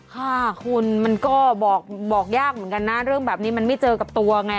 ค่ะคุณมันก็บอกยากเหมือนกันนะเรื่องแบบนี้มันไม่เจอกับตัวไง